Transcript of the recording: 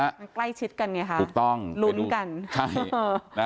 มันใกล้ชิดกันเนี่ยค่ะลุ้นกัน